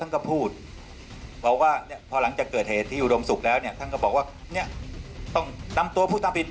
อันดับหมายว่าเขาฆ่ากันแล้วยิงกันแล้ว